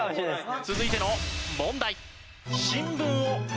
続いての問題。